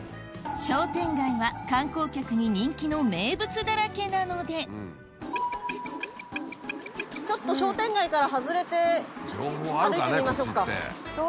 商店街は観光客に人気の名物だらけなのでちょっと商店街から外れて歩いてみましょうか。